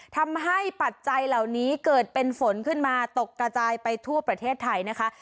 ปัจจัยเหล่านี้เกิดเป็นฝนขึ้นมาตกกระจายไปทั่วประเทศไทยนะคะ